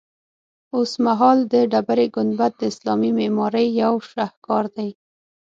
اوسمهال د ډبرې ګنبد د اسلامي معمارۍ یو شهکار دی.